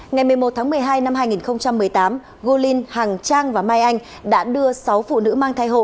ngày một mươi một tháng một mươi hai năm hai nghìn một mươi tám go linh hàng trang và mai anh đã đưa sáu phụ nữ mang thai hộ